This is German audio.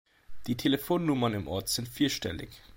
Die Telefonnummern im Ort sind vierstellig.